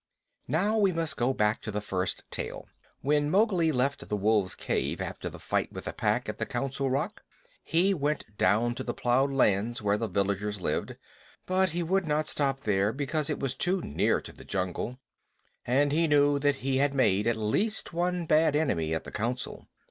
Now we must go back to the first tale. When Mowgli left the wolf's cave after the fight with the Pack at the Council Rock, he went down to the plowed lands where the villagers lived, but he would not stop there because it was too near to the jungle, and he knew that he had made at least one bad enemy at the Council.